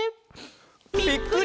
「ぴっくり！